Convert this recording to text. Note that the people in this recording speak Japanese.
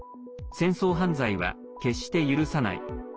戦争犯罪は決して許さない。